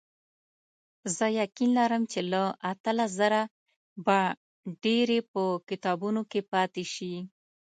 زه یقین لرم چې له اتلس زره به ډېرې په کتابونو کې پاتې شي.